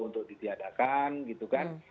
untuk ditiadakan gitu kan